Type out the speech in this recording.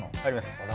あります。